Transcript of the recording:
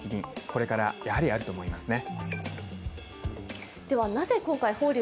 これから、やはりあると思いますね